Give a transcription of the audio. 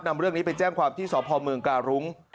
นำเรื่องนี้ไปแจ้งความที่สพเมืองการุ้ง